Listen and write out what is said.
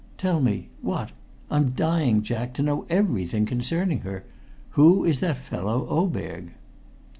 "Tell me. What? I'm dying, Jack, to know everything concerning her. Who is that fellow Oberg?"